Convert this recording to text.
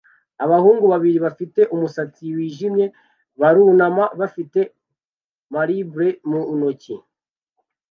Abahungu babiri bafite umusatsi wijimye barunama bafite marble mu ntoki